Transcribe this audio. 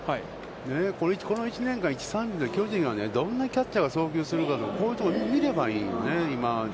この１年間一・三塁、巨人がどんなキャッチャーが送球するかとか、こういうところを見ればいいのよね。